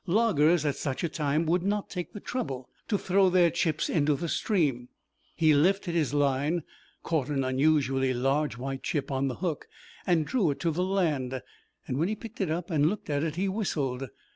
Loggers at such a time would not take the trouble to throw their chips into the stream. He lifted his line, caught an unusually large white chip on the hook and drew it to the land. When he picked it up and looked at it he whistled.